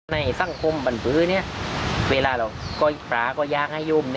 ในสังคมบรรพื้นี้เวลาพระอยากให้หยุ่ม